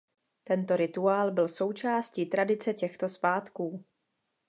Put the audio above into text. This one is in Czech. Tento rituál byl součástí tradice těchto svátků.